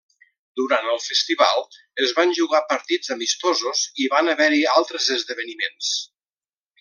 Durant el festival, es van jugar partits amistosos i va haver-hi altres esdeveniments.